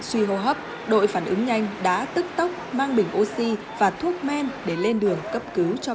suy hô hấp đội phản ứng nhanh đã tức tốc mang bình oxy và thuốc men để lên đường cấp cứu cho